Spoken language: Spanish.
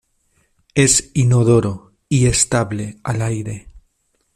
Es inodoro y estable al aire.